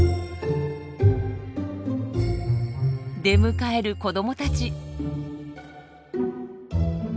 出迎える子どもたち。